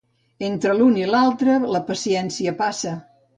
Entre un i l'altre, la paciència passa.